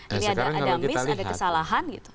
ini ada miss ada kesalahan